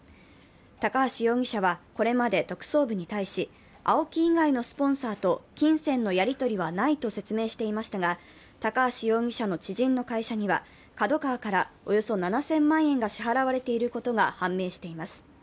高橋容疑者は、これまで特捜部に対し、ＡＯＫＩ以外のスポンサーと金銭のやりとりはないと説明していましたが、高橋容疑者の知人の会社にはＫＡＤＯＫＡＷＡからおよそ７０００万円が支払われていることが判明しています。